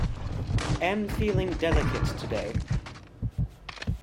Am feeling delicate today.